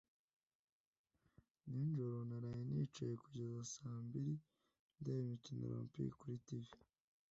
Nijoro naraye nicaye kugeza saa mbiri ndeba imikino Olempike kuri TV.